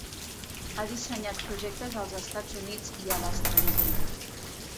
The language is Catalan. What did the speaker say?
Ha dissenyat projectes als Estats Units i a l'estranger.